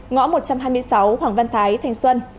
ngõ một trăm hai mươi sáu hoàng văn thái thành xuân